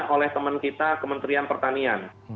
oleh teman kita kementerian pertanian